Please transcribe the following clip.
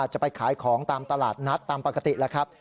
จะไปขายของตามตลาดนัดตามปกติแล้วครับ